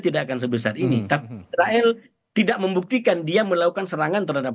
tidak akan sebesar ini tapi israel tidak membuktikan dia melakukan serangan terhadap